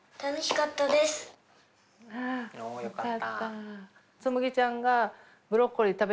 およかった。